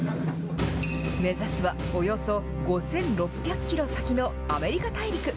目指すはおよそ５６００キロ先のアメリカ大陸。